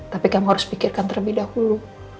tapi kamu harus pikirkan terlebih dahulu